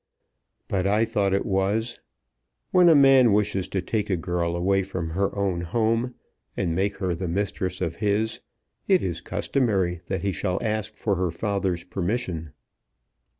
"But I thought it was. When a man wishes to take a girl away from her own home, and make her the mistress of his, it is customary that he shall ask for her father's permission."